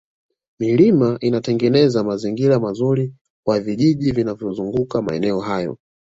milima inatengeneza mazingira mazuri kwa vijiji vinavyozunguka maeneo hayo